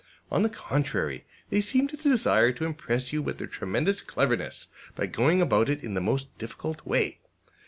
On the contrary, they seem to desire to impress you with their tremendous cleverness by going about it in the most difficult way.